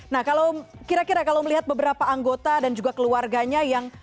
nah kalau kira kira kalau melihat beberapa anggota dan juga keluarganya yang